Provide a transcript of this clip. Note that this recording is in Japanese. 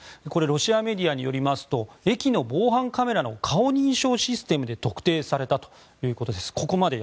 ロシアメディアによりますと駅の防犯カメラの顔認証システムで特定されたということです。